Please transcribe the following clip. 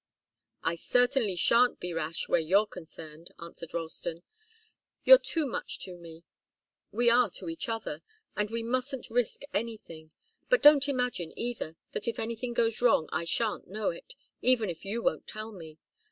"I certainly shan't be rash where you're concerned," answered Ralston. "You're too much to me we are to each other and we mustn't risk anything. But don't imagine, either, that if anything goes wrong I shan't know it, even if you won't tell me.